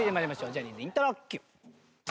ジャニーズイントロＱ。